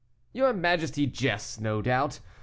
"Your majesty jests, no doubt.